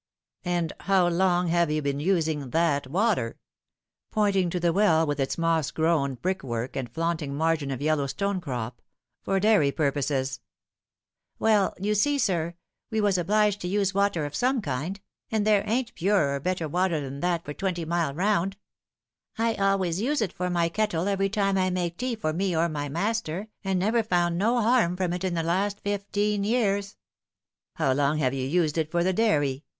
" And how long have you been using that water," pointing to the well, with its moss grown brickwork and flaunting margin of yellow stonecrop, " for dairy purposes ?"" Well, you see, sir, we was obliged to use water of some kind ; and there ain't purer or better water than that for twenty mile round, I always nae it for my kettle every time I make ten. v Without the Wolf. 51 me or my master, and never found no harm from it in the last fifteen years." " How long have you used it for the dairy